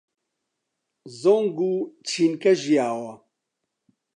زۆنگ و چێنکە ژیاوە